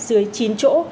dưới chín chỗ